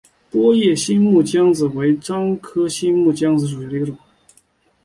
波叶新木姜子为樟科新木姜子属下的一个种。